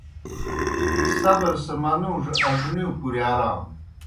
صبر سہ منُوڙوْ اڙنِیؤ کُرِیارانوْ